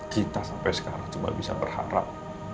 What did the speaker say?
kita sampai sekarang cuma bisa berharap